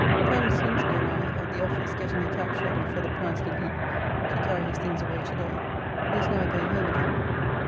Col. Slingsby and I at the office getting a catch ready for the Prince de Ligne to carry his things away to day, who is now going home again.